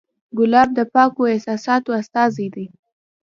ګلاب د پاکو احساساتو استازی دی.